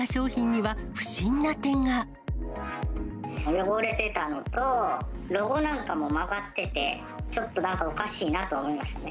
汚れてたのと、ロゴなんかも曲がってて、ちょっとなんか、おかしいなとは思いましたね。